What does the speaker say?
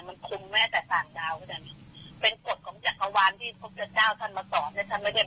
มันคุมแม้แต่ส่างดาวนะเป็นกฎของจักรวาลที่พระพุทธเจ้าท่านมาสอบเนี่ย